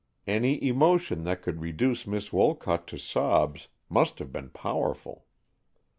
Any emotion that could reduce Miss Wolcott to sobs must have been powerful.